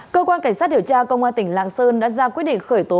cơ quan cảnh sát điều tra công an tỉnh lạng sơn đã ra quyết định khởi tố